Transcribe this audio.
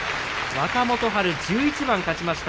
若元春、１１番勝ちました。